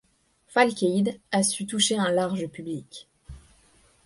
Falkeid a su toucher un large public.